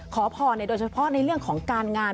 ขอพรโดยเฉพาะในเรื่องของการงาน